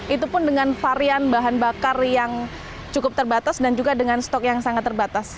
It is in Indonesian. itu pun dengan varian bahan bakar yang cukup terbatas dan juga dengan stok yang sangat terbatas